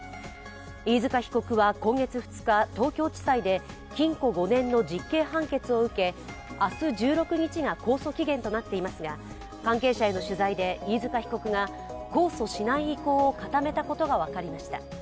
飯塚被告は今月２日、東京地裁で禁錮５年の実刑判決を受け明日１６日が控訴期限となっていますが、関係者への取材で飯塚被告が控訴しない意向を固めたことが分かりました。